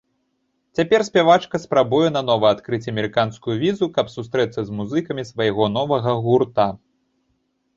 Цяпер спявачка спрабуе нанова адкрыць амерыканскую візу, каб сустрэцца з музыкамі свайго новага гурта.